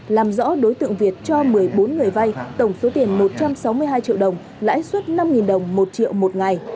làm rõ đối tượng việt cho một mươi bốn người vai tổng số tiền một trăm sáu mươi hai triệu đồng lãi suất năm đồng một triệu một ngày